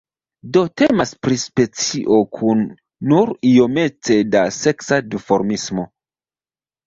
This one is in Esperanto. Do temas pri specio kun nur iomete da seksa duformismo.